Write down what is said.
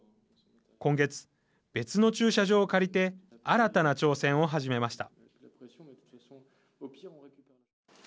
今月、別の駐車場を借りて新たな挑戦を始めました。